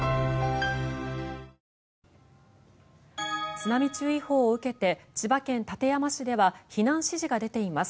津波注意報を受けて千葉県館山市では避難指示が出ています。